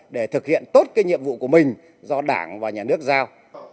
để thực hiện tốt cái nhiệm vụ của mình do đảng và nhà nước giao